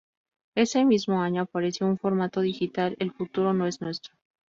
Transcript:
Ese mismo año, apareció en formato digital "El futuro no es nuestro.